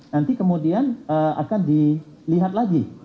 nanti kemudian akan dilihat lagi